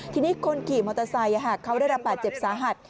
ทีนี้คนขี่มอเตอร์ไซค์เขาได้รับบาดเจ็บสาหัส